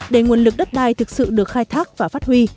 để nguồn lực đất đai thực sự được khai thác và phát huy